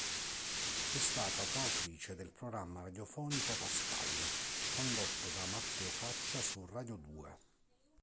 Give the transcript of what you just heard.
È stata coautrice del programma radiofonico Pascal condotto da Matteo Caccia su Radio Due.